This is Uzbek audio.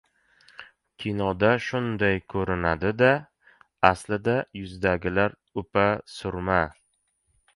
— Kinoda shunday ko‘rinadi-da, aslida yuzidagilar upa-surma!